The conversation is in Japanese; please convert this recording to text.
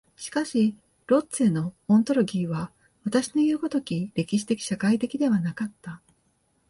しかしロッチェのオントロギーは私のいう如き歴史的社会的ではなかった。